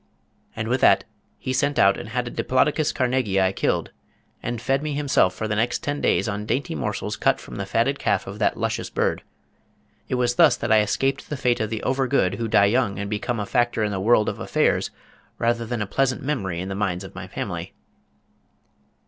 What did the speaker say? And with that he sent out and had a diplodocus carnegii killed, and fed me himself for the next ten days on dainty morsels cut from the fatted calf of that luscious bird. It was thus that I escaped the fate of the over good who die young and became a factor in the world of affairs rather than a pleasant memory in the minds of my family.